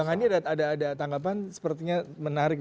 bang handi ada tanggapan sepertinya menarik nih